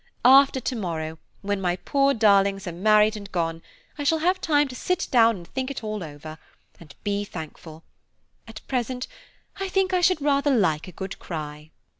after to morrow, when my poor darlings are married and gone, I shall have time to sit down and think it all over, and be thankful. At present, I think I should rather like a good cry."